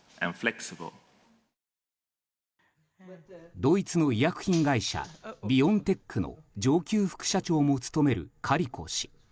ドイツの医薬品会社ビオンテックの上級副社長も務めるカリコ氏。